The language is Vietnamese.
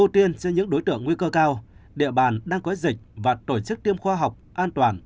ưu tiên cho những đối tượng nguy cơ cao địa bàn đang có dịch và tổ chức tiêm khoa học an toàn